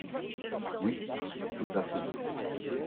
Oui, tout à fait.